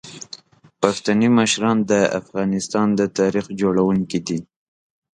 پښتني مشران د افغانستان د تاریخ جوړونکي دي.